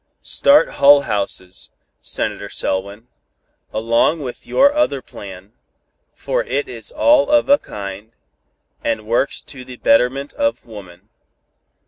"Start Hull Houses, Senator Selwyn, along with your other plan, for it is all of a kind, and works to the betterment of woman.